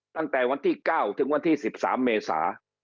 ตั้งแต่วันที่๙ถึงวันที่๑๓เมษา